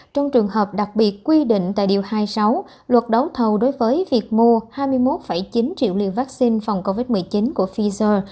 trong trường hợp đặc biệt quy định tại điều hai mươi sáu luật đấu thầu đối với việc mua hai mươi một chín triệu liều vaccine phòng covid một mươi chín của pfizer